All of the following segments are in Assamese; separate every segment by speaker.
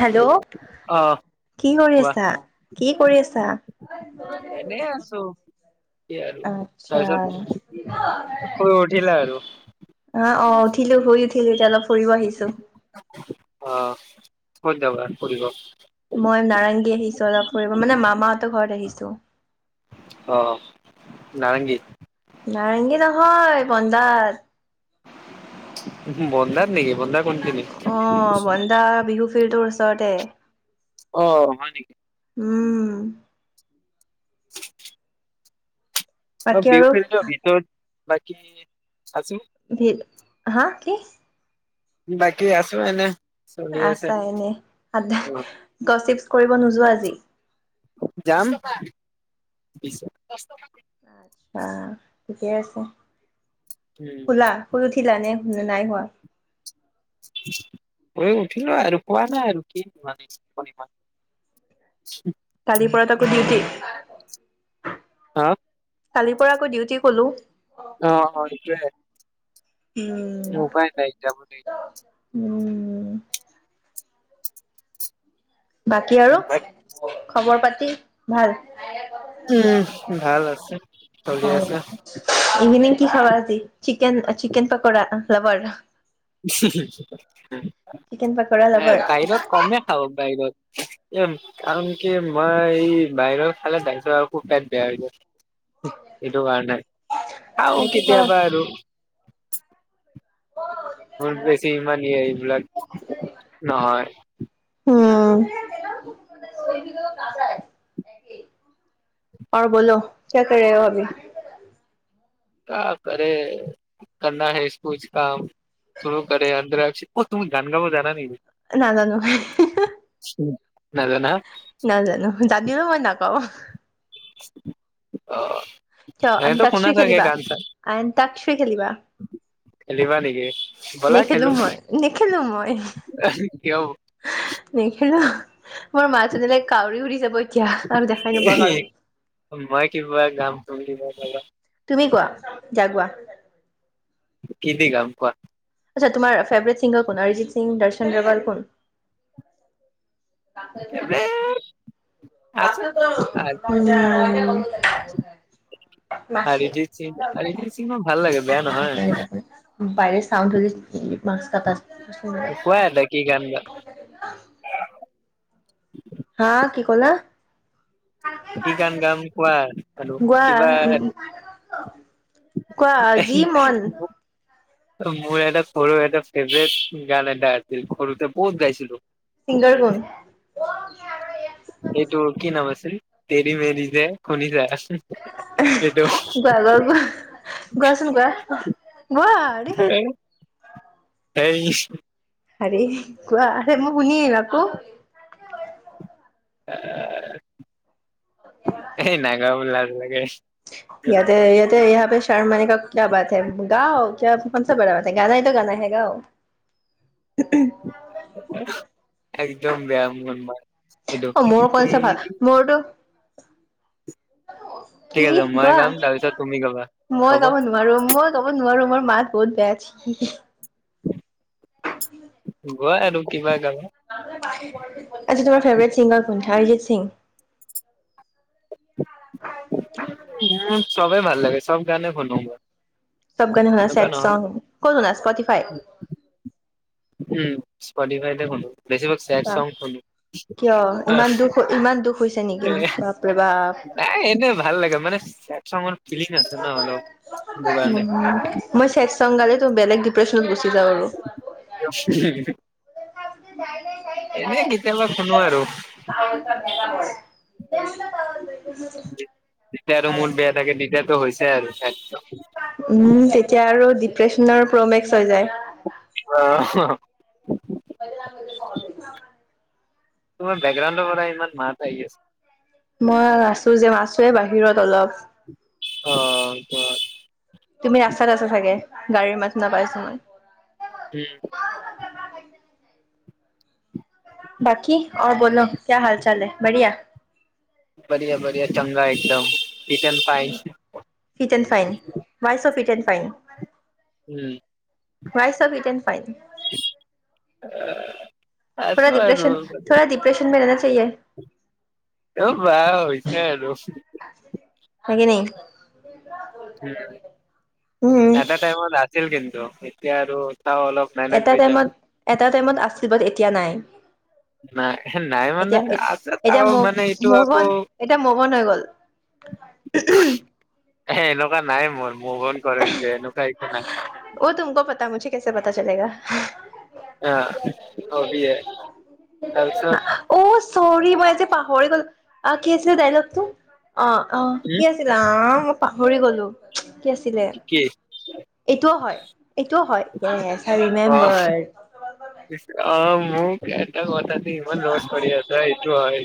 Speaker 1: হেল্ল',
Speaker 2: অ',
Speaker 1: কি কৰি আছা? কি কৰি আছা?
Speaker 2: এনেই আছো এতিয়া আৰু
Speaker 1: আচ্ছা।
Speaker 2: তাৰপিছত শুই উঠিলা আৰু।
Speaker 1: আ, অ', উঠিলো শুই উঠিলো এতিয়া অলপ ফুৰিব আহিছো।
Speaker 2: অ', কত যাবা ফুৰিব?
Speaker 1: মই নাৰেংগী আহিছো অলপ ফুৰিব মানে মামাহঁতৰ [unintelligible]
Speaker 2: অহ, নাৰেংগী।
Speaker 1: নাৰেংগী নহয় বন্দাত।
Speaker 2: বন্ধাত নেকি বন্ধাত
Speaker 1: অ', বন্দা বিহু ফিল্টোৰ ওচৰতে।
Speaker 2: অ', হয় নেকি?
Speaker 1: উম।
Speaker 2: [inaudible] অ',
Speaker 1: বাকী
Speaker 2: বিহু
Speaker 1: আৰু
Speaker 2: ফিলটোৰ ভিতৰত বাকী আছো।
Speaker 1: ভিদ হা কি?
Speaker 2: বাকী আছো এনে। চলি আছে
Speaker 1: আছা এনে আ
Speaker 2: অ',
Speaker 1: গচিপ কৰিব নোযোৱা আজি?
Speaker 2: যাম।
Speaker 1: আ। ঠিকে আছে।
Speaker 2: উম,
Speaker 1: সুলা শুই উঠিলা নে নে নাই সোয়া?
Speaker 2: শুই উঠিলো আৰু সোয়া নাই আৰু কি মানে
Speaker 1: কালিৰ পৰা আকৌ ডউটি।
Speaker 2: হা?
Speaker 1: কালিৰ পৰা আকৌ ডিউটি কলো।
Speaker 2: অ', অ', এইটোয়ে
Speaker 1: উম,
Speaker 2: উপায় নাই যাব লাগিব
Speaker 1: উম। উম। বাকী আৰু খবৰ পাতি ভাল?
Speaker 2: উম, ভাল আছে, চলি আছে।
Speaker 1: ইভিনিং কি খাবা আজি চিকেন চিকেন পকোৰা লাবাৰ।
Speaker 2: এ
Speaker 1: চিকেন পকৰা লাভাৰ
Speaker 2: বাহিৰত কমেই খাওক বাহিৰত। এ কাৰণ কি মই এই বাহিৰৰ খালে দাইছো আৰু খুব পেট বেয়া হৈ যায়, এইটো কাৰণে। খাও
Speaker 1: সেইটো হয়।
Speaker 2: কেতিয়াবা আৰু। মোৰ বেছি ইমান ই এইবিলাক নহয়।
Speaker 1: ঔৰ বলো ক্যা কৰ ৰহে হো অভী
Speaker 2: ক কৰেে কৰনা হেছ্কুজ কাম চ কৰেে অধ্ৰ ব তুমি গানগ জানা ন
Speaker 1: নাজানো
Speaker 2: নজনা
Speaker 1: নাজানো জানিলেও মই নাগাঁও
Speaker 2: [inaudible]
Speaker 1: ত আন
Speaker 2: এনেতো শুনা
Speaker 1: তাকচই
Speaker 2: চাগে
Speaker 1: খেলিবা
Speaker 2: গান চান
Speaker 1: আন তাকচই খেলিবা।
Speaker 2: খেলিবা নেকি? ব'লা
Speaker 1: নেখেলো
Speaker 2: খেলো
Speaker 1: মই নেখেলো মই
Speaker 2: কিয়
Speaker 1: নেখেলো মোৰ মাজজননীলৈে কাউৰী উৰি যাব এতিয়া আৰু দেখাই নোপোৱা কাউৰী
Speaker 2: মই কিবা গাম তুমি কিবা গাবা
Speaker 1: তুমি কোৱা জাগুৱা
Speaker 2: কি দি গাম কোৱা
Speaker 1: আচ্ছা তোমাৰ ফেভৰেট সিংগাৰ কোন অৰিজিত সিং দৰ্শন ডাৱাল কোন
Speaker 2: এ আছে
Speaker 1: উম অ নাচি
Speaker 2: অৰিজিত সিং অৰিজিত সিং মোৰ ভাল লাগে বেয়া নহয়
Speaker 1: [unintelligible] বাৰী চাউণ্ড হৈ [unintelligible]
Speaker 2: কোৱা এটা কি গান গোৱা।
Speaker 1: হা কি ক'লা?
Speaker 2: কি গান গাম কোৱা আৰু
Speaker 1: গোৱা
Speaker 2: কিবা
Speaker 1: কোৱা যি মন
Speaker 2: মোৰ এটা সৰু এটা ফেভৰেট গান এটা আছিল, সৰুতে বহুত গাইছিলো।
Speaker 1: ছিংগাৰ কোন
Speaker 2: এইটো কি নাম আছিল, তেৰি মেৰি যে, শুনিছা? এইটো
Speaker 1: গোৱা, গোৱা, গোৱা, গোৱাচোন গোৱা, গোৱা আৰে।
Speaker 2: এই।
Speaker 1: হাৰে গোৱা, মই শুনিম আকৌ।
Speaker 2: এ, এই নাগাও, লাজ লাগে।
Speaker 1: ইয়াতে, ইয়াতে, ইয়াত য়ে শৰ্ম আনে কা কিয়া বাত হে, গাও কিয়া কন চা বাৰা বাত হে, গানা হিটো গানা হে গাও।
Speaker 2: একদম বেয়া মোৰ মা
Speaker 1: অ মোৰ কচনা ভা, মোৰোতো
Speaker 2: ঠিক
Speaker 1: কি
Speaker 2: আছে মই
Speaker 1: গোৱা,
Speaker 2: গাম তাৰপিছত তুমি গাবা
Speaker 1: মই
Speaker 2: হ'ব
Speaker 1: গাব নোৱাৰো, মই গাব নোৱাৰো, মোৰ মাত বহুত বেয়া ছি
Speaker 2: গোৱা আৰু কিবা গান।
Speaker 1: আচ্ছা তোমাৰ ফেভৰেট ছিংগাৰ কোন, আৰিজিত সিং?
Speaker 2: না। চবে ভাল লাগে, চব গানে শুনো মই।
Speaker 1: চব গানে শুনা,
Speaker 2: এনেকুৱা
Speaker 1: চেড
Speaker 2: নহয়
Speaker 1: চং, ক'ত শুনা স্পটিফাই?
Speaker 2: উম, স্পটিফাইতে শুনো। বেছিভাগ চেড চং শুনো।
Speaker 1: কিয়-কিয় ইমান
Speaker 2: অহ,
Speaker 1: দুখ ইমান দুখ হৈছে নেকি?
Speaker 2: এ
Speaker 1: বাপৰে বাপ।
Speaker 2: য় মানে চেদ চংৰ ফিলিং আছে ন অলপ বোৰানদা।
Speaker 1: উম মই চেড চং গালেটো বলেগ ডিপ্ৰেছনত গৈচ
Speaker 2: [unintelligible] এনে কেতিয়াবা শুনো আৰু।
Speaker 1: [unintelligible]
Speaker 2: যেতিয়া আৰু মোৰ বেয়া লাগে তেতিয়াতো আৰু হৈছে আৰু।
Speaker 1: দিপেস্নৰ প্ৰ'মেক্স হৈ যায়।
Speaker 2: অহ।
Speaker 1: [unintelligible]
Speaker 2: তোমাৰ বেকগ্ৰাউণ্ডৰ পৰা ইমান মাত আহি আছে।
Speaker 1: মই আছো যে মাছ। এ বাহিৰত অলপ।
Speaker 2: অ ক।
Speaker 1: তুমি ৰাস্তাত আছা চাগে গাড়ীৰ মান সুনা পাইছোঁ মই।
Speaker 2: উম।
Speaker 1: বাকি অৰ বল কীয়া হাল চাল হে বাৰহিয়া।
Speaker 2: বাঢ়ীয়া-বাঢ়ীয়া সংগা একদাম।
Speaker 1: Fit and fine why so fit and. Fine.
Speaker 2: Um.
Speaker 1: Why so fit and fine.
Speaker 2: আছো
Speaker 1: থৰা
Speaker 2: আৰু
Speaker 1: ডিপ্ৰেছন থৰা ডিপ্ৰেছন মে ৰেনা। [unintelligible]
Speaker 2: অহ ৱাহ হৈছে আৰু।
Speaker 1: হবি নি।
Speaker 2: উম, এটা টাইম ত ছিল কিন্তু এতিয়া আৰু। চাও অলপ মেনেজ
Speaker 1: এটা
Speaker 2: হৈ যায়।
Speaker 1: টাইমত এটা টাইমত আচ। বাত এতিয়া নাই।
Speaker 2: নাই-নাই মানে
Speaker 1: এতিয়া এ-
Speaker 2: আছে
Speaker 1: এতিয়া
Speaker 2: আৰু
Speaker 1: ম
Speaker 2: মানে এইটো আকৌ
Speaker 1: মোহন এতিয়া মোহন হৈ গ'ল
Speaker 2: এনেকুৱা নাই মোৰ। মুভঅন অন কৰিডে এনেকুৱা একো নাই।
Speaker 1: অ তুমক পতা মুঝে কেছে পাতা চলেগা।
Speaker 2: আহ হবিএ তাৰপিছত
Speaker 1: আ কি আছিল ডাইলগ টো। অ অ
Speaker 2: উম
Speaker 1: কি আছিলা অ। পাহৰি গলো। কি আছিলে
Speaker 2: কি
Speaker 1: এইটোও হয় এইটোও হয় য়েছ আই
Speaker 2: অ
Speaker 1: ৰিমেম্বৰ।
Speaker 2: অ মোক এটা কথাতে ইমান ৰচ কৰি আছা এইটো হয়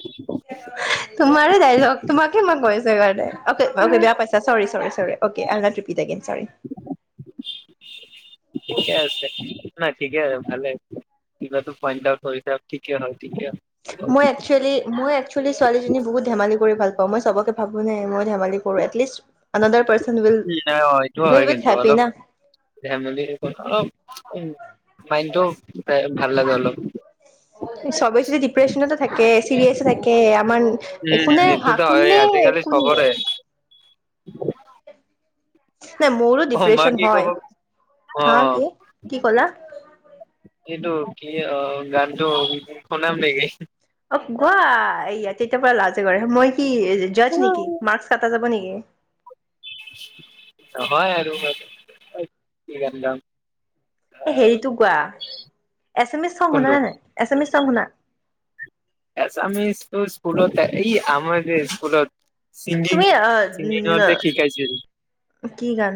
Speaker 1: তোমাৰে ডাইলগ তোমাকে মই কৈছোঁ সেইকাৰণে অকে অকে বেয়া পাইছা sorry sorry sorry. Okay I will not repeat again sorry.
Speaker 2: ঠিকে আছে নাই ঠিকে আছে ভালে কিবাটো ফাইণ্ড আউট কৰিছা ঠিকে হয়। ঠিকে হয় অলপ
Speaker 1: মই একচুৱেলি মই একচুৱেলি ছোৱালীজনী বহুত ধেমালি কৰি ভাল পাওঁ। মই চবকে ভাবো নাই মই ধেমালি কৰো এতলিষ্ট আনাদাৰ পাৰ্চন উইল
Speaker 2: উ নাই এইটো
Speaker 1: উইল
Speaker 2: হই
Speaker 1: উইথ
Speaker 2: কিন্তূ
Speaker 1: হেপী
Speaker 2: অলপ
Speaker 1: না
Speaker 2: ধেমালি অ অলপ মাইণ্ডটো- তাইক ভাল লাগে অলপ।
Speaker 1: চবেই যদি ডিপ্ৰেশচনতে থাকে চিৰিয়াছে থাকে আমাৰ একো
Speaker 2: উম
Speaker 1: নাই হা
Speaker 2: এইটোতো হয়
Speaker 1: কোনে
Speaker 2: আজিকালি
Speaker 1: কোনে
Speaker 2: চবৰে [inaudible]
Speaker 1: নাই মোৰো
Speaker 2: অ মই
Speaker 1: ডিপ্ৰ্যন
Speaker 2: কি কব
Speaker 1: হয়। হা
Speaker 2: অ
Speaker 1: কি? কি কলা
Speaker 2: এইটো কি অ গানতটো শুনাম নেকি?
Speaker 1: অ গোৱা এইয়া তেতিয়াৰ পৰা লাজে কৰে। মই কি জজ নেকি, মাৰ্কস কটা যাব নেকি? [inaudible]
Speaker 2: নহয় আৰু কি গান গাম।
Speaker 1: এ
Speaker 2: আহ
Speaker 1: হেৰিটো গোৱা। আছামিজ চংগ সুনা
Speaker 2: কোনটো
Speaker 1: নে নাই, আছামিজ চংগ শুনা।
Speaker 2: এছামিজটো স্কুলত এই আমাৰ যে স্কুলত চিংগিং
Speaker 1: তুমি
Speaker 2: চিংগিংট জে শিকাইছিল।
Speaker 1: কি গান।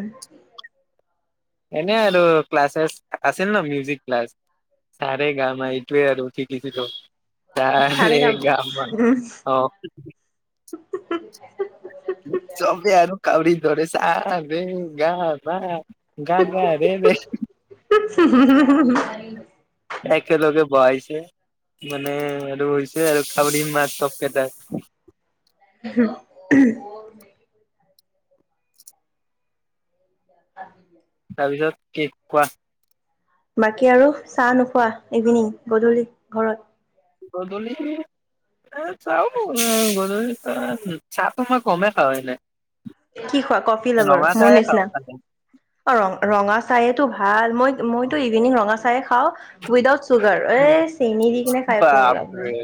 Speaker 2: এনে আৰু ক্লাছ চাচ আছিল ন মিউজিক ক্লাছ। চা ৰে গা মা এইটোৱে আৰু শিকিছিলো। চা
Speaker 1: চাৰে
Speaker 2: ৰে
Speaker 1: গান
Speaker 2: গা মা,
Speaker 1: উম
Speaker 2: অ চবে আৰু কাউৰী দৰে চা, ৰে, গা, মা গা গা ৰে ৰে
Speaker 1: [inaudible]
Speaker 2: একেলগে বহাইছে। মানে আৰু হৈছে আৰু কাউৰী মাট চব কেইটা।
Speaker 1: [inaudible] [inaudible]
Speaker 2: তাৰপিছত কি কোৱা
Speaker 1: বাকী আৰু চাহ নোখোৱা। ইভিনিং গধূলি ঘৰত।
Speaker 2: গধূলি [unintelligible] গধুলি চাহ চাহটো মই কমেই খাওঁ এনে।
Speaker 1: কি খোৱা কফি লবৰ
Speaker 2: ৰঙা
Speaker 1: মোৰ
Speaker 2: চাহে খাওঁ
Speaker 1: নিচিনা
Speaker 2: মানে।
Speaker 1: অ ৰঙা চাহেতো ভাল, মই মইতো ইভিনিং ৰঙা চাই চেনি দি কিনে খাই একো লাভ নাই
Speaker 2: বাপৰে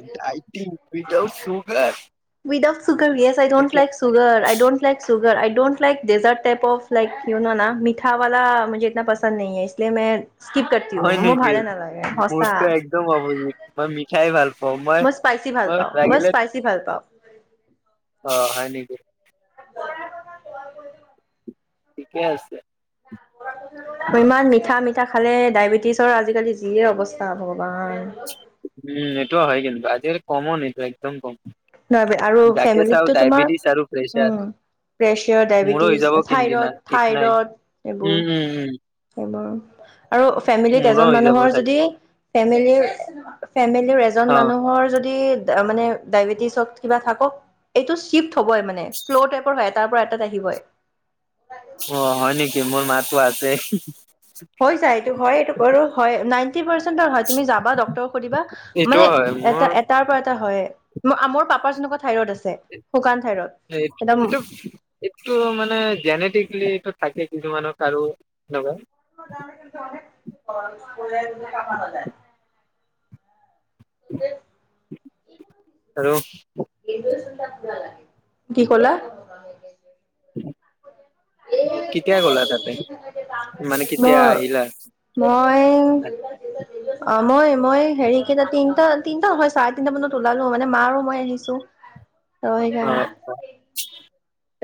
Speaker 2: উইডাউত চোগাৰ
Speaker 1: বিদা sugar yes I don't like sugar I don't like ছুগ yeah I don't like dessert type of like you know না মিঠাৱলা মুজে ইটনা পচন্দ নেহি হে ইচলিয়ে মে
Speaker 2: হয় নেকি, মোৰটো একদম অপজিট মই মিঠাই ভাল পাওঁ। অ মই,
Speaker 1: ভাল
Speaker 2: মই
Speaker 1: পাওঁ,
Speaker 2: লাগিলে
Speaker 1: ভাল পাওঁ।
Speaker 2: অ হয় নেকি
Speaker 1: [unintelligible]
Speaker 2: ঠিকেই আছে।
Speaker 1: ইমান মিঠা নি মিঠা খালে ডায়েবেটিছৰ আজিকালি যিয়ে অৱস্থা ভগৱান
Speaker 2: উম এইটোও হয় কিন্তু আজিকালিৰ কমো নিনটো একদম কম
Speaker 1: না দে আৰু
Speaker 2: যাকে চাও
Speaker 1: ফেমিলিতটো তোমাৰ
Speaker 2: ডায়বেটিছ আৰু প্ৰেছাৰ
Speaker 1: উম প্ৰেচাৰ
Speaker 2: মোৰো হৈ যাব
Speaker 1: ডায়বেটিছ
Speaker 2: কোনদিনা
Speaker 1: থাইৰড
Speaker 2: ঠিক নাই
Speaker 1: থাইৰড এইবোৰ
Speaker 2: উম উম উম
Speaker 1: সেবোৰ আৰু ফেমিলিত
Speaker 2: মোৰো
Speaker 1: এজন
Speaker 2: হৈ যাব
Speaker 1: মানুহৰ
Speaker 2: চাগে
Speaker 1: যদি ফেমিলি ফেমিলিৰ এজন
Speaker 2: অ'।
Speaker 1: মানুহৰ যদি মানে ডাইবিটিচ কিবা থাকক এইটো চিপ হ'ব মানে ফ্ল' টাইপৰ হয় এ তাৰ পৰা এটাত আহিবই
Speaker 2: অ হয় নেকি মোৰ মা তো আছে
Speaker 1: হয় যাই এইটো হয় এইটো কৰো হয় নাইন নাইন্টি পাৰচেন্টৰ হয় তুমি যাবা ডক্টৰক সুধিবা মানে
Speaker 2: এইটোও হয় মোৰ
Speaker 1: এটাৰ পৰা এটা হইয়ে ম মোৰ পাপাৰ যেনুকা থাইৰড আছে শুকান থাইৰইড একদম
Speaker 2: এইটো এইটো মানে জেনেটিকলি এইটো থাকে কিছুমানৰ আৰু তেনুকা
Speaker 1: [unintelligible]
Speaker 2: উ আৰু
Speaker 1: কি কলা
Speaker 2: অ [unintelligible] মানে
Speaker 1: ম
Speaker 2: কেতিয়া আহিলা
Speaker 1: মই অ মই মই হেৰিকেইটা তিনটা তিনিটা হয় চাৰে তিনিটা মানত ওলালো মানে মা আৰু মই আহিছো। টো সেইকাৰণে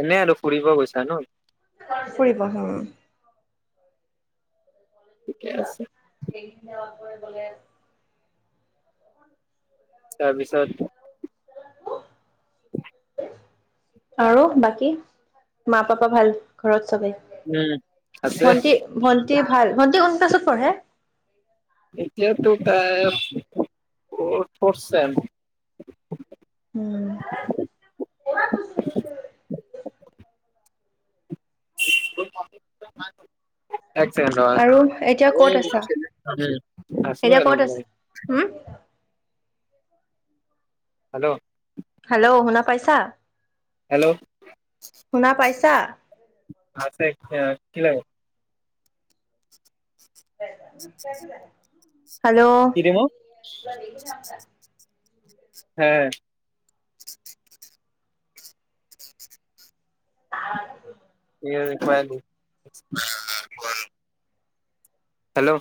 Speaker 2: এনেই আৰু ফুৰিব গৈছা ন'।
Speaker 1: ফুৰিব উম।
Speaker 2: ঠিকে আছে।
Speaker 1: [unintelligible]
Speaker 2: তাৰপিছত
Speaker 1: আৰু বাকী, মা পাপা ভাল ঘৰত? চবে
Speaker 2: উম আছে
Speaker 1: ভটি, ভণ্টি ভাল? ভণ্টি কোন ক্লাছত পঢ়ে।
Speaker 2: এতিয়া টু তাই ফ' ফ'ৰ্থ চেম।
Speaker 1: উম।
Speaker 2: [inaudible] একেচেকেণ্ড
Speaker 1: আৰু এতিয়া ক'ত আছা
Speaker 2: ৰ'বা
Speaker 1: এতিয়া ক'ত আছা
Speaker 2: [unintelligible]
Speaker 1: হম
Speaker 2: হেল্ল'।
Speaker 1: হেল্ল' শুনা পাইছা?
Speaker 2: হেল্ল'
Speaker 1: শুনা পাইছা
Speaker 2: আছে এতিয়া। কি লাগ
Speaker 1: [inaudible] হেল্ল'
Speaker 2: কি দিব? হে
Speaker 1: [inaudible]
Speaker 2: [unintelligible] হেল্ল'।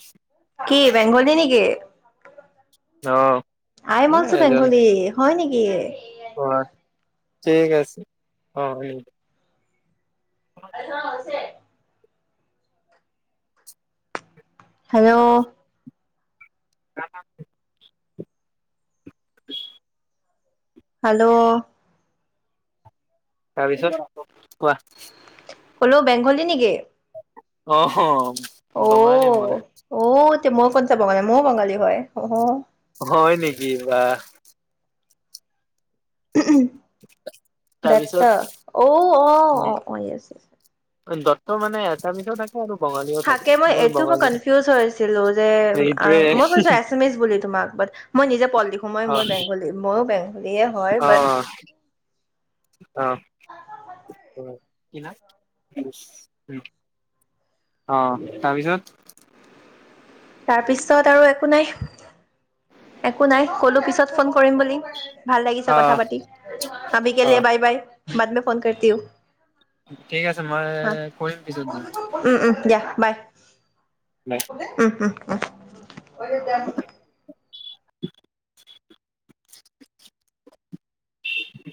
Speaker 1: কি বেংগলী নেকি?
Speaker 2: যাঅ'।
Speaker 1: আই এম অলচু বেংগলী, হয় নেকি? এইয়ে
Speaker 2: অ'। ঠিক আছে, অ', হে।
Speaker 1: [unintelligible] হেল্ল'
Speaker 2: [unintelligible]
Speaker 1: হেল্ল'
Speaker 2: তাৰপিছত? কোৱা
Speaker 1: ক'লো বেংগলী নেকি?
Speaker 2: অহ হঅ
Speaker 1: অও অও তে মই কনচা বঙালী মই বঙালী হয়
Speaker 2: হয় নেকি বাহ
Speaker 1: ওহো, দত্ত
Speaker 2: তাৰপিছত
Speaker 1: অও অহ অহ
Speaker 2: উম
Speaker 1: ইয়েচ ইয়েচ,
Speaker 2: দত্ত মানে এচিমিছৰো থাকে আৰু বঙালীও
Speaker 1: থাকে মই এইটো মই
Speaker 2: বঙালী
Speaker 1: কনফিউজ হৈ আছিলো যে
Speaker 2: সেইটোৱে
Speaker 1: মই ভাবিছোঁ এছামিছ বুলি তোমাক বাট মই নিজে পল লিখো মই মই বেংগলী ময়ো বেংগ
Speaker 2: অহ অহ অহ কিনা কিওচ লহ, অহ তাৰপিছত
Speaker 1: তাৰ পিছত আৰু একো নাই একো নাই ক'লো পিছত ফোন কৰিম বুলি ভাল লাগিছে
Speaker 2: অ
Speaker 1: কথা পাতি আভিকে
Speaker 2: অ
Speaker 1: লিয়ে বাই বাই বাদ মে ফোন কৰ টিহো।
Speaker 2: ঠিক আছে মই কৰিম পিছত
Speaker 1: অহ উম উম দিয়া বাই
Speaker 2: দিয়া
Speaker 1: উহ উহ। ওহ [unintelligible]
Speaker 2: [unintelligible]